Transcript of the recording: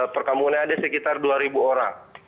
perkampungan ada sekitar dua orang